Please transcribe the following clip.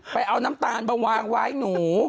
ไปเอาน้ำตาลมาวางไว้หนู